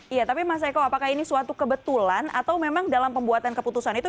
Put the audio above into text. iya tapi mas eko apakah ini suatu kebetulan atau memang dalam pembuatan keputusan itu